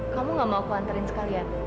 kamu gak mau aku anterin sekalian